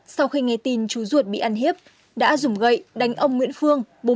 sau khi nghe tin chú ruột bị ăn hiếp đã dùng gậy đánh ông nguyễn phương